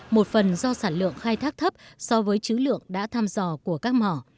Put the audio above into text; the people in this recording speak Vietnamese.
một phần do sản lượng khai thác thấp so với chứ lượng đã tham dò của các mỏ